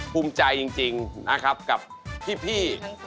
ภูมิใจจริงนะครับกับพี่